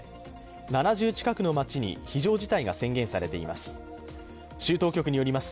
７０近くの街に非常事態が宣言されています。